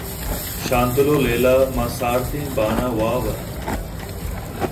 شانتُل ءُ لیلہ ماں سارتیں بان ءَ واب اَنت۔